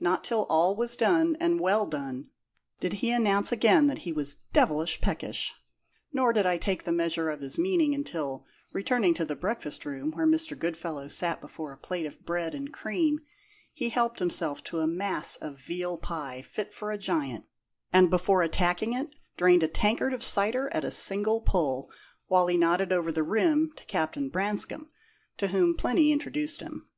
Not till all was done, and well done, did he announce again that he was devilish peckish; nor did I take the measure of his meaning until, returning to the breakfast room where Mr. Goodfellow sat before a plate of bread and cream, he helped himself to a mass of veal pie fit for a giant, and before attacking it drained a tankard of cider at a single pull, while he nodded over the rim to Captain Branscome, to whom Plinny introduced him.